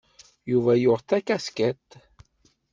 Yuba yuɣ-d takaskiḍt.